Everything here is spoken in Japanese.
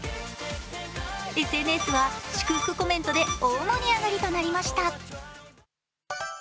ＳＮＳは祝福コメントで大盛り上がりとなりました。